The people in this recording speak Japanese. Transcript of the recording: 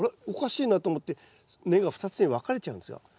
おかしいなと思って根が２つに分かれちゃうんですよ。